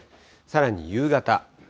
さらに夕方。